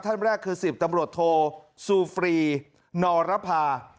ท่านแรกคือ๑๐ตำรวจโทซูฟรีนอรภา